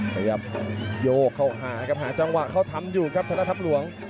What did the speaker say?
พยายามโยกเข้าหาครับหาจังหวะเขาทำอยู่ครับธนทัพหลวง